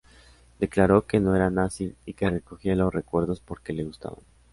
Declaró que no era nazi y que recogía los recuerdos porque le gustaban.